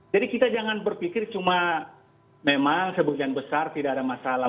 jadi kita jangan berpikir cuma memang sebagian besar tidak ada masalah